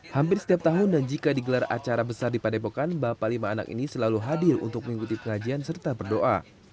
hampir setiap tahun dan jika digelar acara besar di padepokan bapak lima anak ini selalu hadir untuk mengikuti pengajian serta berdoa